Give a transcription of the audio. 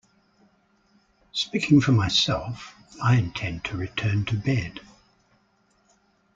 Speaking for myself, I intend to return to bed.